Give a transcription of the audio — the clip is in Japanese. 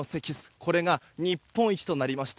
これが日本一となりました。